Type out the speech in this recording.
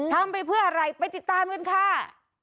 ทำไปเพื่ออะไรไปติดตามกันค่ะ